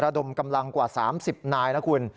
ดมกำลังกว่า๓๐นายนะคุณ